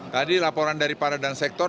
tadi laporan dari para dan sektor